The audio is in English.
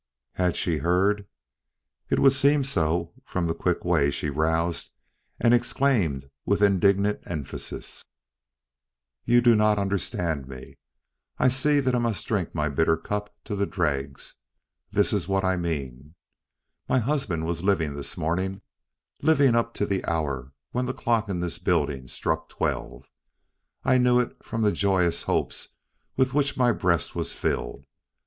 Had she heard? It would seem so from the quick way she roused and exclaimed with indignant emphasis: "You do not understand me! I see that I must drink my bitter cup to the dregs. This is what I mean: My husband was living this morning living up to the hour when the clock in this building struck twelve. I knew it from the joyous hopes with which my breast was filled.